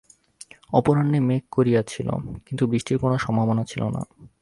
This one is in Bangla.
অপরাহ্নে মেঘ করিয়াছিল, কিন্তু বৃষ্টির কোনো সম্ভাবনা ছিল না।